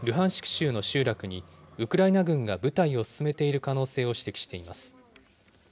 州の集落にウクライナ軍が部隊を進めている可能性を指摘しています。